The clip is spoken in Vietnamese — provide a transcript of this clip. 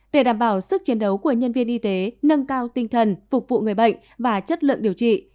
để đảm bảo sức chiến đấu của nhân viên y tế nâng cao tinh thần phục vụ người bệnh và chất lượng điều trị